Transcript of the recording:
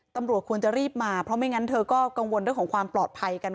ตำรวจควรจะรีบมาเพราะไม่งั้นเธอก็กังวลเรื่องของความปลอดภัยกัน